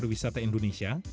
penyebaran pariwisata indonesia